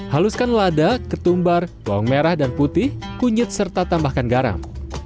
haluskan lada ketumbar bawang merah dan putih kunyit serta tambahkan garam